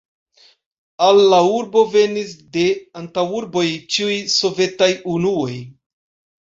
Al la urbo venis de antaŭurboj ĉiuj sovetaj unuoj.